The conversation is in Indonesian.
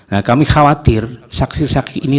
nah kami khawatir saksi saksi ini